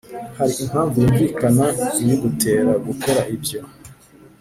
hari impamvu yumvikana ibigutera gukora ibyo